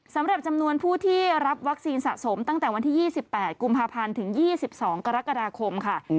สำหรับจำนวนผู้ที่รับวัคซีนสะสมตั้งแต่วันที่๒๘กุมภาพันธ์ถึง๒๒กรกฎาคมค่ะ